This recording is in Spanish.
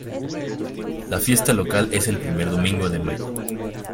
La fiesta local es el primer domingo de mayo.